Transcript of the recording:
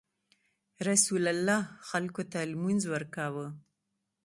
رسول الله خلکو ته لمونځ ورکاوه.